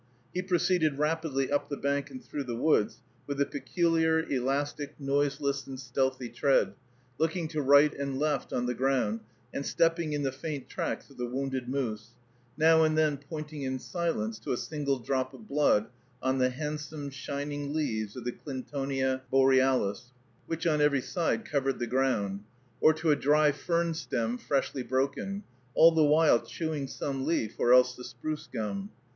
He proceeded rapidly up the bank and through the woods, with a peculiar, elastic, noiseless, and stealthy tread, looking to right and left on the ground, and stepping in the faint tracks of the wounded moose, now and then pointing in silence to a single drop of blood on the handsome, shining leaves of the Clintonia borealis, which, on every side, covered the ground, or to a dry fern stem freshly broken, all the while chewing some leaf or else the spruce gum.